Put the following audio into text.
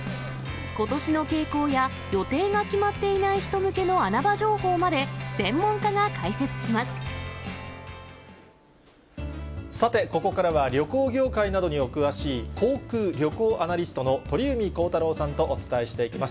ことしの傾向や予定が決まっていない人向けの穴場情報まで、さて、ここからは旅行業界などにお詳しい、航空旅行アナリストの鳥海高太朗さんとお伝えしていきます。